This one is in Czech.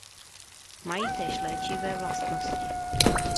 Mají též léčivé vlastnosti.